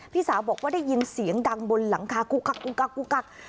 พี่สาวบอกว่าได้ยินเสียงดังบนหลังคากุ๊กกัก